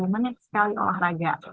tiga puluh menit sekali olahraga